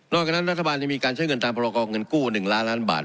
จากนั้นรัฐบาลยังมีการใช้เงินตามพรกรเงินกู้๑ล้านล้านบาท